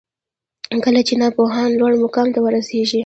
کله چي ناپوهان لوړ مقام ته ورسیږي